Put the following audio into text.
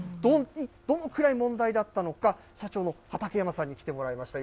どのくらい問題だったのか、社長の畠山さんに来てもらいました。